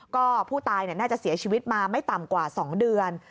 ก็ผู้ตายน่าจะเสียชีวิตมาไม่ต่ำกว่า๒เดือน